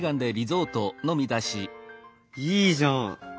いいじゃん。